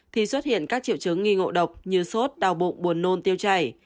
thì xuất hiện các triệu chứng nghi ngộ độc như sốt đau bụng buồn nôn tiêu chảy